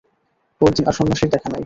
পরদিন আর সন্ন্যাসীর দেখা নাই।